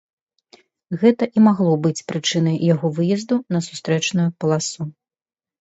Гэта і магло быць прычынай яго выезду на сустрэчную паласу.